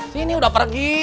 siang udah pergi